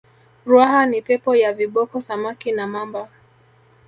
ruaha ni pepo ya viboko samaki na mamba